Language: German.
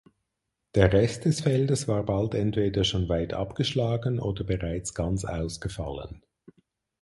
Der Rest des Feldes war bald entweder schon weit abgeschlagen oder bereits ganz ausgefallen.